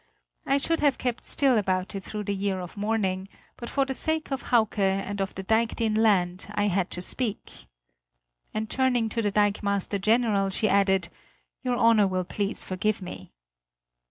I should have kept still about it through the year of mourning; but for the sake of Hauke and of the diked in land, I had to speak." And turning to the dikemaster general, she added: "Your Honor will please forgive me."